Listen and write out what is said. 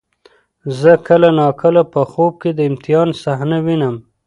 زه کله ناکله په خوب کې د امتحان صحنه وینم.